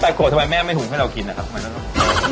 ถ้า๘ขวบทำไมแม่ไม่หุ่มให้เรากินอ่ะครับ